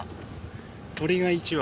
鳥が１羽。